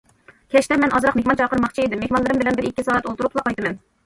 كەچتە مەن ئازراق مېھمان چاقىرماقچى ئىدىم، مېھمانلىرىم بىلەن بىر ئىككى سائەت ئولتۇرۇپلا قايتىمەن.